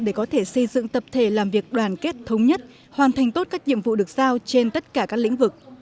để có thể xây dựng tập thể làm việc đoàn kết thống nhất hoàn thành tốt các nhiệm vụ được giao trên tất cả các lĩnh vực